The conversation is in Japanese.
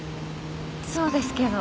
そうですけど。